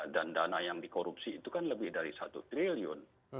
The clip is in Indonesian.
dan dana yang dikorupsi itu kan lebih dari satu triliun